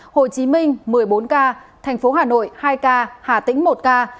hồ chí minh một mươi bốn ca thành phố hà nội hai ca hà tĩnh một ca